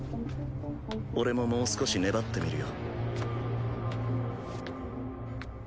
俺ももう少し粘ってみるよ。